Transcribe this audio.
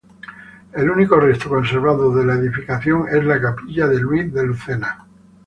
El único resto conservado de la edificación es la capilla de Luis de Lucena.